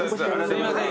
すいません